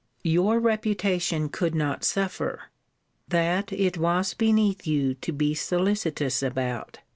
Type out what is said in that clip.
Your reputation could not suffer: that it was beneath you to be solicitous about.